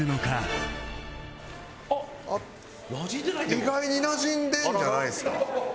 意外になじんでるんじゃないですか？